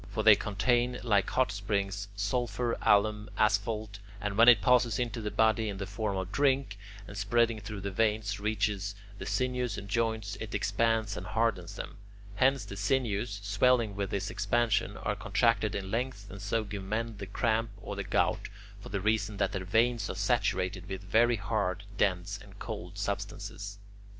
For they contain, like hot springs, sulphur, alum, asphalt,... and when it passes into the body in the form of drink, and spreading through the veins reaches the sinews and joints, it expands and hardens them. Hence the sinews, swelling with this expansion, are contracted in length and so give men the cramp or the gout, for the reason that their veins are saturated with very hard, dense, and cold substances.